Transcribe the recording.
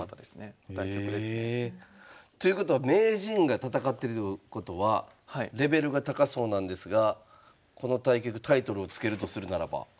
対局ですね。ということは名人が戦ってるってことはレベルが高そうなんですがこの対局タイトルを付けるとするならば？